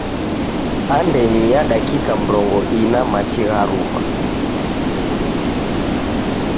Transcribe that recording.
Andenyi ya dakika mrongo ina machi gharuma.